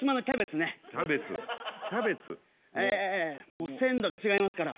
もう鮮度が違いますから。